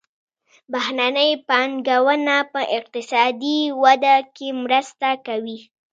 بهرنۍ پانګونه په اقتصادي وده کې مرسته کوي.